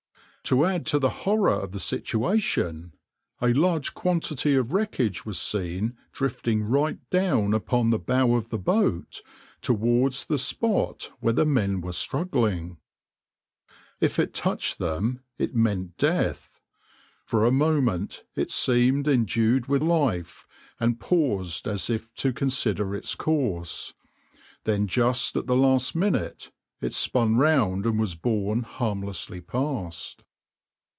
To add to the horror of the situation, a large quantity of wreckage was seen drifting right down upon the bow of the boat towards the spot where the men were struggling. If it touched them it meant death. For a moment it seemed endued with life, and paused as if to consider its course, then just at the last minute it spun round and was borne harmlessly past.